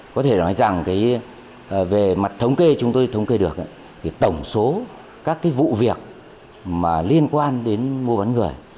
có thể nói rằng về mặt thống kê chúng tôi thống kê được thì tổng số các vụ việc liên quan đến mua bán người